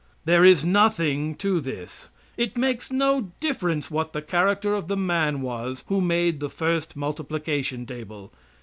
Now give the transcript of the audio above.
There is nothing to this. It makes no difference what the character of the man was who made the first multiplication table.